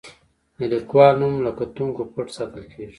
د لیکوال نوم له کتونکو پټ ساتل کیږي.